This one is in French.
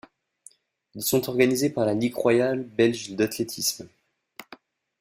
Ils sont organisés par la Ligue royale belge d'athlétisme.